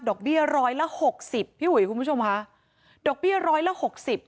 เบี้ยร้อยละหกสิบพี่อุ๋ยคุณผู้ชมค่ะดอกเบี้ยร้อยละหกสิบ